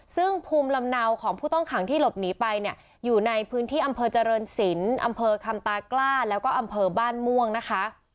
ซึ่งภูมิลำเนาของผู้ต้องขังที่หลบหนีไปเนี่ยอยู่ในพื้นที่อำเภอเจริญศิลป์อำเภอคำตากล้าแล้วก็อำเภอบ้านม่วงนะคะ